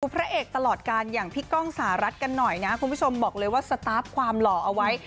พระเอกตลอดการอย่างพี่ก้องสหรัฐกันหน่อยนะคุณผู้ชมบอกเลยว่าสตาร์ฟความหล่อเอาไว้